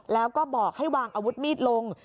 แล้วก็บอกให้วางอาวุธมีดลง